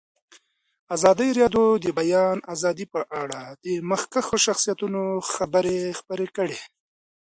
ازادي راډیو د د بیان آزادي په اړه د مخکښو شخصیتونو خبرې خپرې کړي.